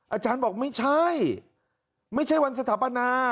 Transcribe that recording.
อาจารย์บอกไม่ใช่ไม่ใช่วันสถาปนา